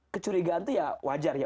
kecurigaan itu ya wajar ya